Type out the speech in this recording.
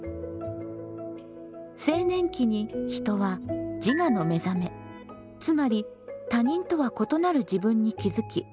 青年期に人は自我のめざめつまり他人とは異なる自分に気付き